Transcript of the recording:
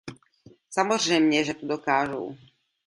Samozřejmě že to dokážou.